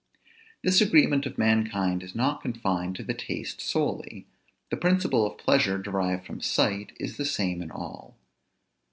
This agreement of mankind is not confined to the taste solely. The principle of pleasure derived from sight is the same in all.